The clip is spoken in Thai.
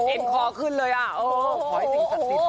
เอ็นคอขึ้นเลยอ่ะเออขอให้สิ่งศักดิ์สิทธิ